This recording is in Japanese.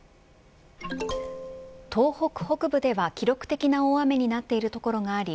東北北部では記録的な大雨になっている所があり